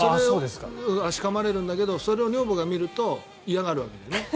足をかまれるんだけどそれを女房が見ると嫌がるわけだよね。